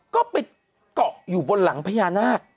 ก็ไปเกาะอยู่บนหลังพญานาค